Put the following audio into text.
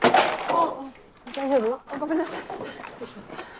大丈夫？ごめんなさい。